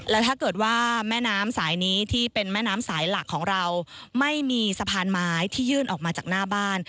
แล้วถ้าเกิดว่าแม่น้ำสายนี้ที่เป็นแม่น้ำสายหลักของเราไม่มีสะพานไม้ที่ยื่นออกมาจากหน้าบ้าน